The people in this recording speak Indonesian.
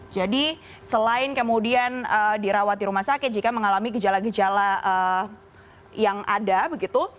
jadi selain kemudian dirawat di rumah sakit jika mengalami gejala gejala yang ada begitu